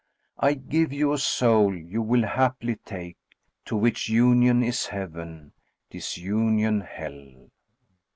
I give you a soul you will haply take. * To which Union is Heaven, Disunion Hell."